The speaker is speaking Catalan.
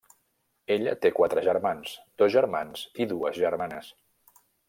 Ella té quatre germans, dos germans i dues germanes.